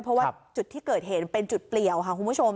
เพราะว่าจุดที่เกิดเหตุเป็นจุดเปลี่ยวค่ะคุณผู้ชม